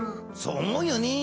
そう思うよね。